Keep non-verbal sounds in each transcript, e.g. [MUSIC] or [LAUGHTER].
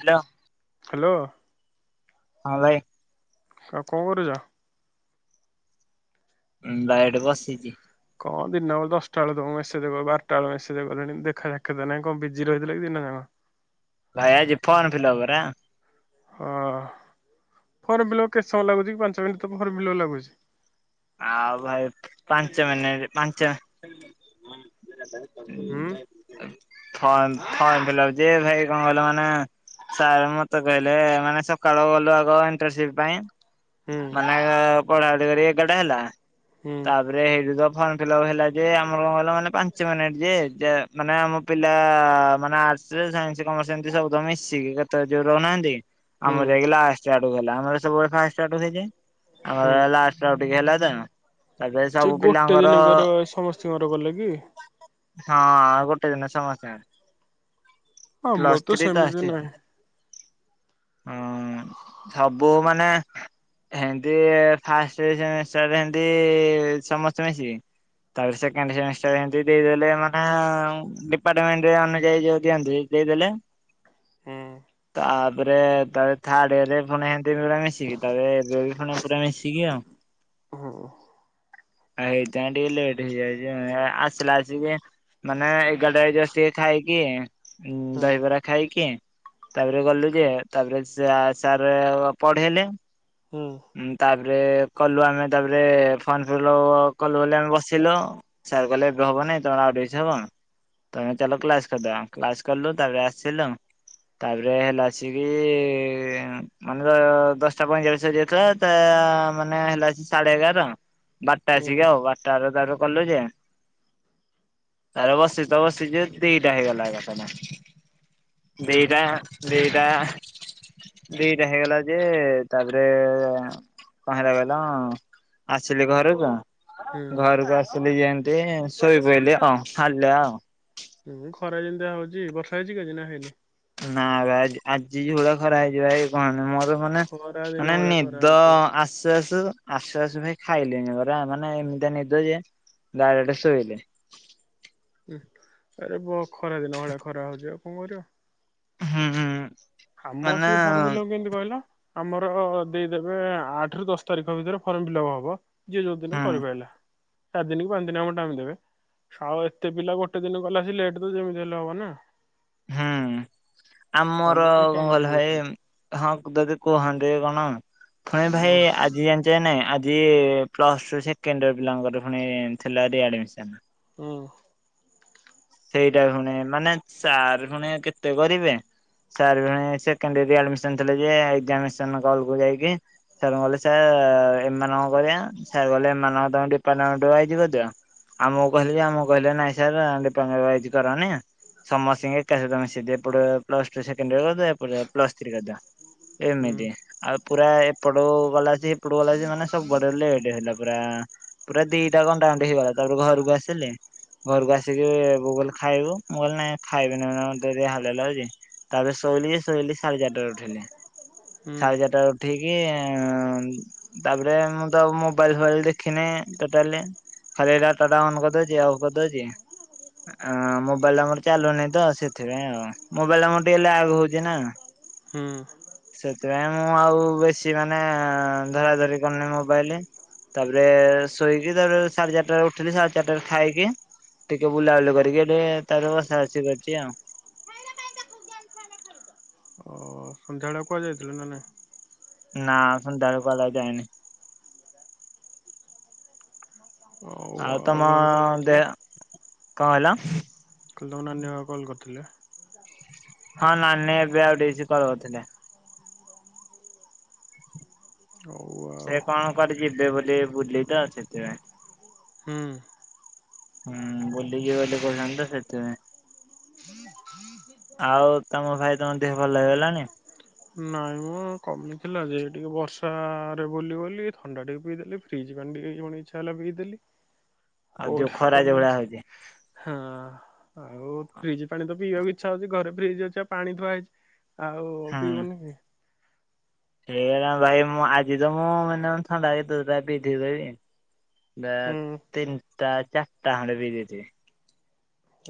Hello. Hello. ହଁ ଭାଇ। ଆ କଣ କରୁଛ? ଭାଇ ଏଇଠି ବସିଛି। କଣ ଦିନବେଳେ ଦଶଟା ବେଳେ ତମ ମେସେଜ୍ କି ବାରଟା ବେଳେ ମେସେଜ୍ କଲେଣି ଦେଖା ସାକ୍ଷାତ୍ ନାହିଁ କଣ ବିଜି ରହିଥିଲା କି ଦିନ ଯାଙ୍କ? ଭାଇ ଆଜି ଫର୍ମ ଫିଲଅପ ପରା। ହଁ ଫର୍ମ ଫିଲପ୍ କେତେ ସମୟ ଲାଗୁଛି କି ପାଞ୍ଚ ମିନିଟ ତ ଫର୍ମ ଫିଲପ୍ ଲାଗୁଛି। ଆଉ ଭାଇ ପାଞ୍ଚ ମିନଟ୍ ପାଞ୍ଚ ହୁଁ ଫର୍ମ ଫିଲପ୍ ଯେ ଭାଇ କଣ କହିଲ ମାନେ ସାର୍ ମତେ କହିଲେ ମାନେ ସକାଳୁ ଗଲୁ ଆଗ ଇଣ୍ଟରସିପ ପାଇଁ, ହୁଁ ମାନେ ପଢାପଢି କରି ଏଗାରଟା ହେଲା ହୁଁ ତା ତାରେ ହେଇଠୁ ତ ଫର୍ମ ଫିଲପ୍ ହେଲା ଯେ ଆମର କଣ ଗ ମାନେ ପାଞ୍ଚ ମିନିଟ୍ ଯେ ମାନେ ଆମ ପିଲା ମାନେ ଆର୍ଟସରେ ସାଇନ୍ସ କମର୍ସ ଏମତି ସବୁ ତ ମିଶିକି କେତେ ଜୋଉ ରହୁନାହାନ୍ତି, ହୁଁ ଆମର ଯାଇକି ଲାଷ୍ଟ୍ ଆଡ଼କୁ ଗଲା ଆମର ସବୁବେଳେ ଫାଷ୍ଟ୍ ଆଡ଼କୁ ହେଇଯାଏ ଆମର ହୁଁ। ଲା ଉ ଟିକି ହେଲା ତ ଏବେ ସେ ସବୁ ଗୋଟେ ପିଲାଙ୍କର ଦିନଙ୍କର ସମସ୍ତଙ୍କର ଗଲେ କି? ହଁ ଗୋଟେ ଦିନ ସମସ୍ତଙ୍କର। ଆମର ପ୍ଲସ୍ ଥ୍ରୀ ତ ସେମିତି ଆସଛି। ନାହିଁ। ହଁ ସବୁ ମାନେ ହେମିତି ଫାଷ୍ଟ ଫାର୍ଷ୍ଟ ସେମିଷ୍ଟାର୍ ରେ ଏମିତି ସମସ୍ତେ ମିଶିବି ତାପରେ ସେକେଣ୍ଡ ସେମିଷ୍ଟାର ଏମିତି ଦେଇଦେଲେ ମାନେ ଡିପାର୍ଟମେଣ୍ଟରେ ଅନୁଯାୟୀ ଯୋଉ ଦିଅନ୍ତୁ ଦେଇଦେଲେ। ହୁଁ ତାପରେ ତା ଥିର୍ଡ ଇରରେ ଫୁଣି ଦେଲେ ମିଶିକି ତାପରେ ଦେଉଛନ୍ତି ପୁରା ମିଶିକି ଆଉ। ହୁଁ ଏଥି ପାଇଁ ଟିକେ ଲେଟ ହେଇଯାଇଛି ଆସିଲା ଆଜି ଯେ ମାନେ ଏଗାର ଟାରେ ଜଷ୍ଟ ଟିକେ ଖାଇକି ହୁଁ ଦହିବରା ଖାଇକି, ତାପରେ ଗଲୁ ଯେ ତାପରେ ସା ସାର୍ ପଢେଇଲେ, ହୁଁ। ତାପରେ କଲୁ ଆମେ ତାପରେ ଫର୍ମ ଫିଲପ୍ କଲୁ ବୋଲି ଆମେ ବସିଲୁ। ସାର୍ କହିଲେ ଏବେ ହବନି ତମେ ଆଉଡଇସ ହବ। ତମେ ଚାଲ କ୍ଲାସ୍ କରିଦେବା କ୍ଲାସ୍ କଲୁ ତାପରେ ଆସିଲୁ, ତାପରେ ହେଲା ଆସିକି, ମାନେ ର ଦଶଟା ପଇଚାଳିଶ ହେଯାଇଥିଲା ତା ମାନେ ହେଲା ଆସି ସାଢେ ଏଗାର ବାରଟା ଆସିକି ଆଉ ବାରଟାରେ ତାର କଲେଜେ ତାରେ ବସିଚି ତ ବସିଚି ଦି ଟା ହେଇଗଲା ଏକାଥରେ। ଦିଟା ଦିଟା ଦିଟା ହେଇଗଲା ଯେ ତାପରେ କହିଲା କିଲ ଆସିଲି ଘରକୁ ହୁଁ। ଘରକୁ ଆ ସିଲି ଯେମତି ଶୋଇ ପଇଲି ଆଉ ହାଲିଆ ଆଉ। ହୁଁ ଖରା ଯେମିତାଆ ହଉଛି ବର୍ଷା ହେଇଛି ଆଜିି ନା ହେଇନି? ନା ବା ଆଜ ଆଜି ଯୋଉଭଳିଆ ଖରା ହେଇଚି ଭାଇ କହନା ମୋର ମାନେ ଖରା ଦିନ ମାନେ ଭଳିଆ ଖରା ନିଦ ହଉଛି। ଆସୁ ଆସୁ ଆସୁ ଆସୁ ଭାଇ ଖାଇଲିନି ପରା ମାନେ ଏମିତିଆ ନିଦ ଯେ ଡାଇରେକଟେ ଶୋଇଲି। ହୁଁ ଆରେ ବ ଖରା ଦିନ ଭଳିଆ ଖରା ହଉଚି ଆଉ କଣ କରିବ? ହୁଁ। ମାନେ ଆମସିକ ଫର୍ମୁଲାକୁ କେମିତି କହିଲ? ଆମର ଦେଇଦେବେ ଆଠ ରୁ ଦଶ ତାରିଖ ଭିତରେ ଫର୍ମ ଫିଲପ ହବ। ଯି ଯୋଉ ଦିନ ହୁଁ କରିପାରିଲା। ଚାରି ଦିନ କି ପାଞ୍ଚ ଦିନ ଆମ ଟାଇମ୍ ଦେବେ। ଆଉ ଏତେ ପିଲା ଗୋଟେ ଦିନ କଲେ ସେ ଲେଟ୍ ତ ଯେମିତି ହେଲେ ହବ ନା। ହଁ। ଆମର ଆମକୁ ସେ କଁ ଟାଇମ ଦେଇ କଇଲ ଭାଇ ଦଉଥିଲେ। ହଁ ପଦେ ଅଧେ କୁହନ୍ତେ କି କଣ ଫୁଣି ଭାଇ ହୁଁ ଆଜି ଜାଣି ଯେ ନାଇଁ ଆଜି ପ୍ଲସ୍ ଟୁ ସେକେଣ୍ଡ ଇୟର ପିଲାଙ୍କର ପୁଣି ଥିଲା ରି ଆଡ଼ମିସନ୍। ହୁଁ। ସେଇଟା ପୁଣି ମାନେ ସାର୍ ପୁଣି କେତେ କରିବେ? ସାର୍ ପୁଣି ସେକେଣ୍ଡ ଇୟର ରି ଆଡମିସନ ଥିଲା ଯେ, ଏକ୍ଜାମିନେସନ ହଲ କୁ ଯାଇକି ସାରଙ୍କୁ କହିଲି ସାର୍ ଏମାନଙ୍କ କରିବା ସାର୍ କହିଲଲେ ଏମାନଙ୍କ ତାଙ୍କ ଡିପାର୍ଟମେଣ୍ଟ ୱାଇଜ କରିଦିଅ। ଆମକୁ ହୁଁ କହିଲେ ଯେ ଆମକୁ କହିଲେ ନାଇଁ ସାର୍ ଡିପାର୍ଟମେଣ୍ଟ ୱାଇଜ କରନି ସମସ୍ତିଙ୍କି ଏକା ସହିତ ମିଶେଇଦିଅ ଏପଟେ ପ୍ଲସ୍ ଟୁ ସେକେଣ୍ଡ ଇୟର କରିଦ ଏପଟେ ପ୍ଲ ଥ୍ରୀ କରିଦିଅ ହୁଁ ଏମିତିି। ଆଉ ପୁରା ଏପଟୁ ଗଲା ସି ଏପଟୁ ଗଲା ସି ମାନେ ସବୁ ଆଡୁ ଲେଟ ହେଲା ପୁରା। ପୁରା ଦିଟା କଣ୍ଟା କଣ୍ଟି ହେଇଗଲା ତାପରେ ଘରକୁ ଆସିଲି ଘରକୁ ଆସିକି। ଏ ବୋଉ କଇଲା ଖାଇବୁ? ମୁ କଲି ନାଇଁ ଖାଇବନି ମତେ ଟିକେ ହାଲିଆ ଲାଗୁଚି। ତାପରେ ଶୋଇିଲି ସେ ଶୋଇିଲଲି ସାଢେ ଚାରିଟାରେ ଉଠିଲି। ହୁଁ ସାଢେ ଚାରିଟା ରେ ଉଠିକି ତାପରେ ମୁଁ ତ ଆଉ ମୋବାଇଲ ଫୋବାଇଲ ଦେଖିନି ଟୋଟାଲି। ଖାଲି ଏ ଡାଟା ଟା ଅନ କରିଦଉଚି ଆଓଉ କରିଦଉଛି। ହଁ ମୋବାଇଲ ଆମର ଚାଲୁନି ତ ସେଥିପାଇଁ ଆଉ ମୋବାଇଲଲାକ ଆମର ଟିକେ ଲଗ ହଉଛି ନା? ହୁଁ ସେଥିପାଇଁ ମୁଁ ଆଉ ବେଶୀ ମାନେ ଧରା ଧରି କରିନି ମୋବାଇଲ। ତାପରେ ଶୋଇକି ତାପରେ ସାଢେ ଚାରିଟା ଉଠିଲି ସାଢେ ଚାରିଟାରେ ଖାଇକି ଟିକେ ବୁଲାବୁଲି କରିକି ଏଠି ତାପରେ ବାସା ବସି କରିଚି ଆଉ। ହଁ। ଅ ସନ୍ଧ୍ୟାବେେଳେ କୁଆଯାଇଥିଲ ନା ନାଇଁ? ନା ସନ୍ଧ୍ୟାରେ ଆଉ କୁଆଡେ ଯାଇନି। ଆଉ ତମ ଘରେ କଲ୍ କରିଥିଲ? ଦେହ କଣ କଇଲ? କାଲି ତମ ନାନୀ ପା କଲ୍ କରିଥିଲେ? ହଁ ନାନୀ ଏବେ ଆଉ ଟିକେ ସି କଲ୍ କରିଥିଲେ। ହଉ। ସେ କଣ କରି ଯିବେ ବୋଲି ବୁଲି ତ ସେଥିପାଇଁ। ହୁଁ ହୁଁ ବୁଲି ଯିବେ ବୋଲି କୋଉଚନ୍ତି ତ ସେଥିପାଇଁ। ଆଉ ତମ ଭାଇ ତମ ଦେହ ଭଲ ହେଇଗଲାଣି? ନାଇଁ ମୁଁ କମିଥିଲା ଯେ ଟିକେ ବର୍ଷାରେ ବୁଲିଗଲି ଥଣ୍ଡା ଟିକେ ପିଇଦେଲି ଫ୍ରିଜ୍ଡିଣ ଇଚ୍ଛା ହେଲା ପଇଦେଲି ଆଉ ଯୋଉ ଖରା ଜଉଭଳିଆ ହଉଛି। ହଁ। ଆଉ ଫ୍ରିଜ୍ ପାଣି ତ ପିଇବାକୁ ଇଚ୍ଛା ହଉଛି ଘରେ ଫ୍ରିଜ୍ ଅଛି ପାଣି ଥୁଆ ହେଇଛି ଆଉ ଫିଇ ନେ କି [UNINTELLIGIBLE] ଠିକ୍ଲା ଭାଇ ମୁଁ ଆଜି ତ ମୁଁ ମାନେ ଥଣ୍ଡା କେ ଦଟା ବିିଧି କରିବି ହୁଁ ତିନିଟା ଚାରିଟା ଖଣ୍ଡେ ପି ଦେଇଛି।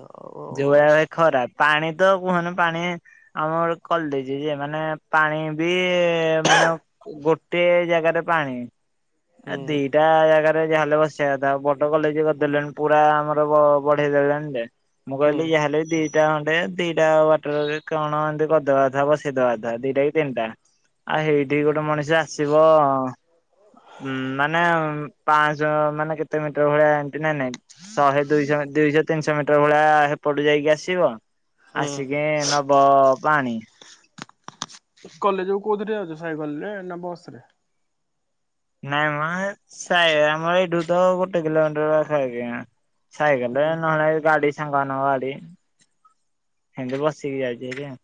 ଆଉ। ଆସ ସେଭଳିଆ ଖରାପ ପାଣି ତ କୁହନା ପାଣି ଆମର କଲେଜ ମାନେ ଦେଇଛି ଯେ ମାନେ ପାଣି ବି ମାନେ ଗୋଟେ ଜାଗାରେ ପାଣି। ଏ ହୁଁ ଦିଟା ଜାଗାରେ ଯାହା ହେଲେ ବସିବା କଥା ବଡ କଲେଜ କରିଦେଲେଣି ପୁରା ଆମର ବଢ ହେଇ ଦେଲେଣି। ମୁଁ ହୁଁ କହିଲି ଯାହାହଲେ ବି ଦିଟା ଖଣ୍ଡେ ଦିଟା ବାଟରରେ କଣ ଏମିତି କରିଦବାଥା ବସିଦବାଥା ଦିଟା ତିନିଟା ଆଉ ହେଇଠି ଗୋଟେ ମଣିଷ ଆସିବ ହୁଁ ମାନେ ପାଞ୍ଚଶହ ମାନେ କେତେ ମିଟର ଭଳିଆ ଏମତି ନାଇ ନାଇଁ ଶହେ ଦୁଶହ ଦୁଇଶହତିନିଶହ ମିଟର ଭ ପା ହେପଟୁ ଯାଇକି ଆସିବ ହୁଁ ଆସିକି ନବ ପାଣି। କଲେଜ କୁ କୋଉଥିରେ ଯାଉଛ ସାଇକେଲ ରେ ନା ବସ ରେ? ନାଇଁ ମା ସା ଆମର ଏଇଠୁ ତ ଗୋଟେ କିଲୋମିଟର ପାଖାପାଖି ସାଇକେଲରେ ହୁଁ ନହେଲେ ଗାଡି ସାଙ୍ଗ ନଙ୍ଗ ଗାଡି ସେମିତି ବସିକି ଯାଇଛି ଆ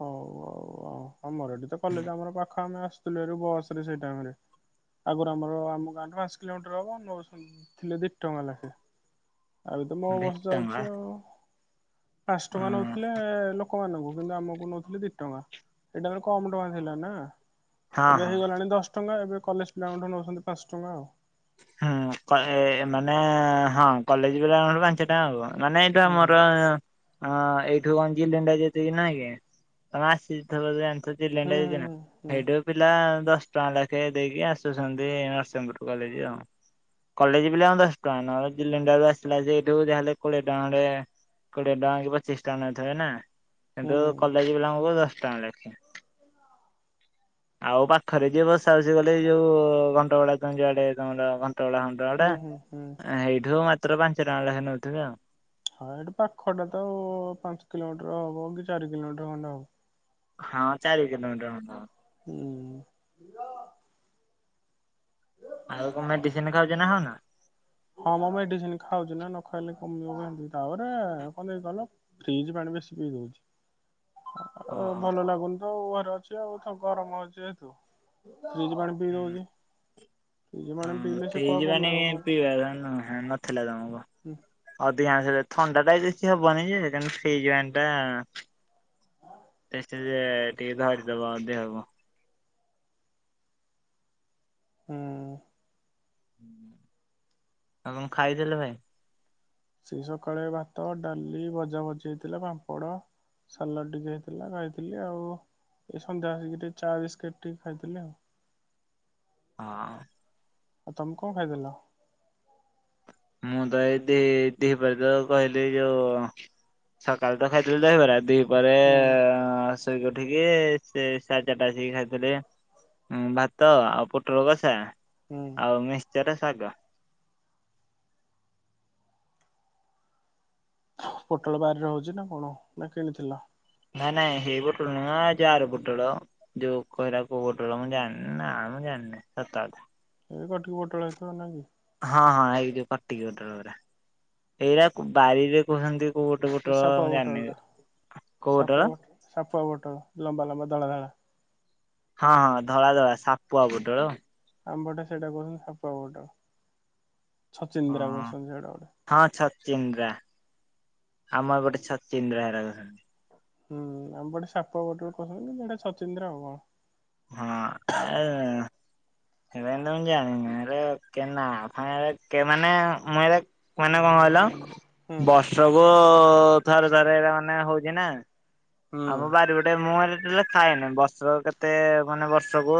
ହଉ ହଉ ଆଉ ଆମର ଏଠି ତ କଲେଜ ଆମର ପାଖ ଆମେ ଆସିଥିଲୁ ଏ ବସରେ ସେଇ ଟାଇମରେ ଆଗରୁ ଆମର ଆମକୁ ଆଡଭାନ୍ସ କିଲୋମିଟର ହବ ନ ଥିଲେ ଦି ଟଙ୍କା ଲେଖା। ଆବେ ତ ମୋ ବସ୍ ଯାଉଛି ଭିତଙ୍ଗଳା ଆଉ ପାଞ୍ଚ ଉଁ ଟଙ୍କା ନଉଥିଲେ ଲ ଲୋକମାନାନଙ୍କୁ କିନ୍ତୁ ଆମକୁ ନଉଥିଲେ ଦି ଟଙ୍କା ଏଇଟା କମ ଟଙ୍କା ଥିଲା ନା। ହଁ ଏବେ ହଁ। ହେଇଗଲାଣି ଦଶ ଟଙ୍କା ଏବେ କଲେଜ ପିଲାଙ୍କ ଠୁ ନେଉଛନ୍ତି ପାଞ୍ଚ ଟଙ୍କା ଆଉ। ହୁଁ ମାନେ ହଁ କଲେଜ ପିଲାଙ୍କ ଠୁ ପାଞ୍ଚ ସେଟା ହଉ ନାନେ ଏଇଟ ହୁଁ ଆମର ହଁ ଏଇଠୁ କଣ ଲିଣ୍ଡା ଯେତିକି ନାଇଁ କି ତମେ ଆସି ହୁଁ ଚଲେଣ୍ଡା ଯ ହୁଁ ହୁଁ ହୋଇଡ ପିଲା ଦଶ ଟଙ୍କା ଲେଖେ ଦେଇକି ଆସୁଛନ୍ତି ନରସିଂହପୁର କଲେଜ ଆଉ। କଲେଜ ବିଲ ଆ ଦଶ ଟଙ୍କା ନ ଜିଲଣ୍ଡ ଆସିଲା ସେଠୁ ଯାହେଲେ କୋଡିଏ ଟଙ୍କା ଖଣ୍ଡେ କୋଡିଏ ଟଙ୍କା କି ପଚିଶ ଟଙ୍କା ନଥିବେ ନା ହୁଁ କିନ୍ତୁ କଲେଜ ପିଲାଙ୍କୁ ଦଶ ଟଙ୍କା ଲେଖା। ଆଉ ପାଖରେ ଯିଏ ବସା ବସି ଗଲେ ଯୋଉ ଘଣ୍ଟଗୋଡ ଯୁଆଡେ ତମର ଘଣ୍ଟଗୋଡା ହୁ ତଡ଼ା ହୁଁ ହୁଁ। ହୁଁ। ହେଇଠୁ ମାତ୍ର ପାଞ୍ଚ ଟଙ୍କା ବେଖା ନେଉଥିବେ ଆଉ। ହଁ ଏଠି ପାଖଟା ତ ଆଉ, ପାଞ୍ଚ କିଲୋମିଟର ହବ କି ଚାରି କିଲୋମିଟର ଖଣ୍ଡେ ହବ। ହଁ ଚାରି କିଲୋମିଟର ହବ। ହୁଁ। ଆଉ କଣ ମେଡିସିନ ଖାଉଚ ନା ଖାଉନ? ହଁ ମୁଁ ମେଡିସିନ ଖାଉଛି ନା ନ ଖାଇଲେ କମିବ କେମତି। ତାପରେ କଣ ହେଚି କହିଲ ଫ୍ରିଜ ପାଣି ବେଶି ପିଇ ଦଉଛି। ଆଉ ଓହୋ। ଭଲ ଲାଗୁନି ତ ଘରେ ଅଛି ଆଉ ଗରମ ହଉଛି ଯେହେତୁ ଫ୍ରିଜ ପାଣି ପିଇ ହୁଁ ଦଉଚି। ହଁ ଫ୍ରୀଜ୍ ପାଣି ପିଇବା କଥା ନୁହେଁ ନଥିଲା ତମକୁ। ହୁଁ। ଅଧିକାଂଶ ଥଣ୍ଡା ଟା କିଛି ହବନି ଯେ, ତେଣୁ ଫ୍ରିଜ୍ନ୍ ପାଣି ଟା ସେ ସ୍ତିରେ ଟିକେ ଧରିଦବ ଦେହକୁ। ହୁଁ। ଆ ତମ ଖାଇଦେଲେ ଭାଇ। ସେଇ ସକାଳେ ଭାତ ଡାଲି ଭଜା ଭଜି ହେଇଥିଲା ପାମ୍ପଡ଼। ସାଲାଡ଼ ଟିକେ ହେଇଥିଲା ଖାଇଥିଲି ଆଉ ଏଇ ସନ୍ଧ୍ୟା ହେଇକି ଟିକେ ଚାହା ବିସ୍କିଟ ଟିକେ ଖାଇଥିଲି ଆଉ। ହଁ। ଆଉ ତମେ କଁ ଖାଇଥିଲ। ମୁଁ ତ ଏଇ ଦି ଦିହିପରେ ତ କହିଲି ଯୋଉ ସକାଳୁ ତ ଖାଇଥିଲି ଦହିବରା ଦି ପହରେ ହୁଁ ଅଁ ଶୋଇ ଉଠିକି ସେ ସାଢ଼େ ଚାରଟା ଆସିକି ଖାଇଥିଲି। ହୁଁ ଭାତ ଆଉ ପୋଟୋଳୋ କଷା ହୁଁ। ଆଉ ମିକ୍ସଚର ଶାଗ। ପୋଟୋଳୋ ବାରିରେ ହୋଉଚି ନା କଣ ନା କିଣିଥିଲ। ନାଇଁ ନାଇଁ ହେଇ ପୋଟୋଳ ନୁହେଁ ଏ ଯୋଉ ଆର ପୋଟୋଳ। ଯୋଉ କଉରା କୋଉ ପୋଟୋଳ ମୁଁ ଜନ ନାଁ ମୁଁ ଜାଣିନି ସତ କଥା। ଏଇ [UNINTELLIGIBLE] ପୋଟଳ ହେଇଥିବ ନା କି? ହଁ ହଁ ହେଇ ଯୋଉ କଟିକି ପୋଟୋଳ ଗୁରା ଏଇରା କୁ ବାରିରେ କୁହାନ୍ତି ଏ ସାପୁଆ ପୋଟୋଳ ଟା କୋଉ ପୋଟଳ ସାପୁଆ ପୋଟୋ ସାପୁଆ ପୋଟୋଳୋ ଲମ୍ବା ଲମ୍ବା ଧଳା ଧଳା। ହଁ ହଁ ଧଳା ଧଳା ସାପୁଆ ପୋଟୋଳୋ। ଆମ ପଟେ ସେଇଟା କହୁଛନ୍ତି ସାପୁଆ ପୋଟଳ ଛଚିନ୍ଦ୍ରା ହଁ। କହୁଛନ୍ତି [UNINTELLIGIBLE] ହଁ ଛଚିନ୍ଦ୍ରା ଆମର ଗୋଟେ ଛଚିନ୍ଦ୍ରା [UNINTELLIGIBLE] ହୁଁ ଆମ ପଟେ ସାପୁଆ ପୋଟଳ କହୁଛନ୍ତି କିନ୍ତୁ ହେଟା ଛଚିନ୍ଦ୍ରା ଆଉ କଣ। ହଁ। ଏ ହେରା କେମିତିଆ ମୁଁ ଜାଣିନି, ହେରା କେ ନାଁ ଫା ହେରା କେ ମାନେ ମୁଁ ଏରା ମାନେ କଁ କହିଲ, ହୁଁ ବର୍ଷକୁ ଥରେ ଥରେ ଏରା ମାନେ ହୋଉଚି ନା। ଆମ ବାରି ପଟେ ମୁଁ ହେଲେ ଟୋଟାଲି ଖାଏନି, ବର୍ଷ କେତେ ମାନେ ବର୍ଷକୁ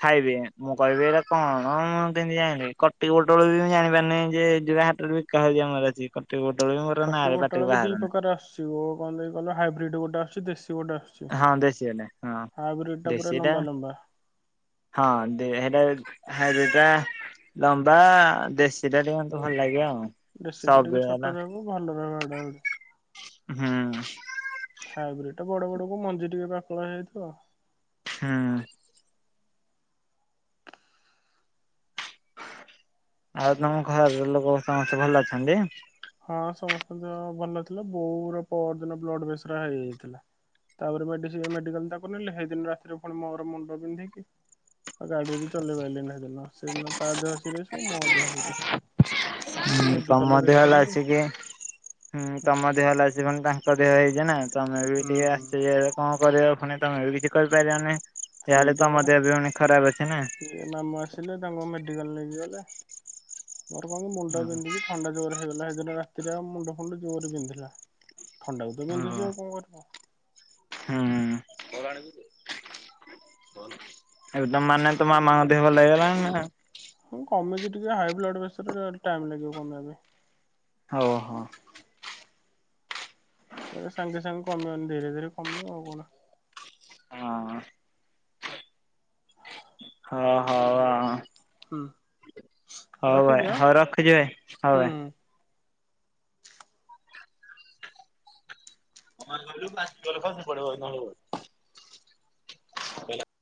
ଖାଇବି ମୁଁ କହିବି ଏରା କଣ ମୁଁ କେନ୍ତି ଯାଇଲି କଟିପୋଟୋଳ ବି ମୁଁ ଜାଣିପାରେ ନାଇଁ ଯେ ଯୋଉ ହା ଟରେ ବିକା ହୋଉଛି ଆମର ଏଠି, କଟି ପୋଟୋଳୋ ବି ମୋରୋ କଟି ନାଁବି ପୋଟଳ ପାଟିରୁ ବି ଦି ବାହାରୁନି। [UNINTELLIGIBLE] କଣ ଦେଖି କହିଲ ହାଇବ୍ରିଡର ଗୋଟେ ଆସୁଛି ଦେଶୀ ଗୋଟେ ଆସୁ ଛି ହଁ ଦେଶୀ ବାଲା ହଁ ହାଇବ୍ରିଡ ଟା ପୁରା ଦେଶୀଟା ଲମ୍ବା ଲମ୍ବା। ହଁ ଦେ ହେଟା ବି ହାଇବ୍ରିଡ ଟା ଲମ୍ବା ଦେଶୀ ଟା ଟିକେ ମତେ ଭଲ ଲାଗେ ଆଉ। ଦେଶୀଟା ସବୁ ଟିକେ ହେଲା ଛୋଟୋ ରହିବ ଭଲ ରହିବ [UNINTELLIGIBLE] ଆହୁରି। ହୁଁ। ହାଇବ୍ରିଡ ଟା ବଡ ବଡକୁ ମଞ୍ଜି ଟିକେ ପାକଳ ହେଇଯାଇଥିବ। ହୁଁ। ଆଉ ତମ ଘର ଲୋକୋ ସମସ୍ତେ ଭଲ ଅଛନ୍ତି। ହଁ ସମସ୍ତଙ୍କ ଦେହ ଭଲ ଥିଲା ବୋଉର ପରଦିନ ବ୍ଲଡ ପ୍ରେସର ହାଇ ହେଇଥିଲା। ତାପରେ ମେଡ଼ିସି ମେଡିକାଲ ତାକୁ ନେଲି ହେଇଦିନ ରାତିରେ ଫୁଣି ମୋର ମୁଣ୍ଡ ପିନ୍ଧିକି ଆଉ ଗାଡି ବି ଚଲେଇ ପାଇଲିନି ହେଦିନ ସେଦିନ ତା ଦେହ ସିରିଏସ୍ ମୋ ଦେହ ସିରିଏସ୍। [UNINTELLIGIBLE] ତମ ଦେହ ହେଲା ଆସିକି ହୁଁ ତମ ଦେହ ହେଲା ସେ ଫୁଣି ତାଙ୍କ ଦେହ ହେଇଚି ନା ତମେ ବି ଟିକେ ହୁଁ ଆଶ୍ଚର୍ଯ୍ୟ ହେଲ। କଁ କରବ ଫୁଣି ତମେ ବି କିଛି କରିପାରିବନି ଯାହାଲେ ସେଇଟା ତମ ପରା। ଦେହ ବି ପୁଣି ଖରାପ ଅଛି ନା। [UNINTELLIGIBLE] ମାମୁଁ ଆସିଲେ ତାଙ୍କ ମେଡ଼ିକାଲ ନେଇକି ଗଲେ ମୋରୋ କଁ କି ମୁଣ୍ଡ ପିନ୍ଧିକି ଥଣ୍ଡା ଜୋରେ ହେଇଗଲା ହେଇଦିନ ରାତିରେ ଆଉ ମୁଣ୍ଡ ଫୁଣ୍ଡ ଜୋରେ ବିନ୍ଧିଲା। ଥଣ୍ଡାକୁ ତ ଓହୋ ବିନ୍ଧୁଛି ଆଉ କଁ କରିବ। ହୁଁ। ଏବେ ତମ୍ ମାନେ ତମ ମାମାଙ୍କ ଦେହ ଭଲ ହେଇଗଲାଣି ନା। ହଁ କମିଚି ଟିକେ ହାଇ ବ୍ଲଡ ପ୍ରେସର [UNINTELLIGIBLE] ଟାଇମ୍ ଲାଗିବ କମିବା ପାଇଁ। ହୋଉ ହଁ। ଏ ସାଙ୍ଗେ ସାଙ୍ଗେ କମିବନି ଧୀରେ ଧୀରେ କମିବ ଆଉ କଣ। ହଁ। ହଁ ହଉ ଆଉ ହୁଁ ହଉ ଭାଇ ରଖିଦିଅ ହଉ ରଖୁଚି ହୁଁ ଭାଇ। ହୁଁ। [INAUDIBLE] [INAUDIBLE]